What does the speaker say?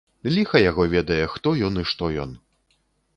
Ліха яго ведае, хто ён і што ён!